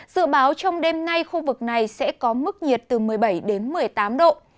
dự báo trong đêm nay khu vực này sẽ có mức nhiệt từ một mươi bảy đến một mươi tám độ